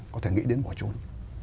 có thể nghĩ đến bỏ trốn